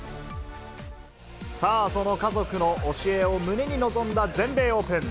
さあ、その家族の教えを胸に臨んだ全米オープン。